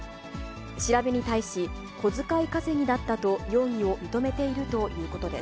調べに対し、小遣い稼ぎだったと容疑を認めているということです。